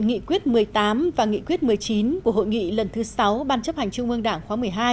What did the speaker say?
nghị quyết một mươi tám và nghị quyết một mươi chín của hội nghị lần thứ sáu ban chấp hành trung ương đảng khóa một mươi hai